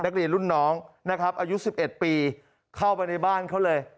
นักเรียนรุ่นน้องนะครับอายุ๑๑ปีเข้าไปในบ้านเขาเลย